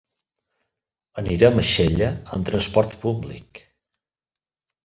Anirem a Xella amb transport públic.